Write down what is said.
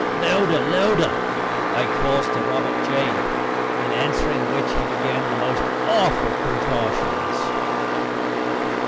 "Louder, louder," I calls to Robert J., in answering which he began the most awful contortions.